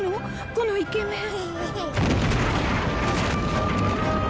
このイケメン。